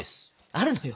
あるのよ。